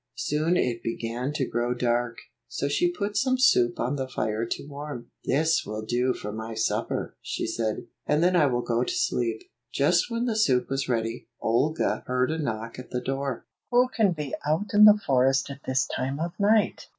Soon it began to grow dark, so she put some soup on the fire to warm. "This will do for my supper," she said, "and then I will go to sleep." Just when the soup was ready, Olga heard a knock at the door. "Who can be out in the forest at this time of night?"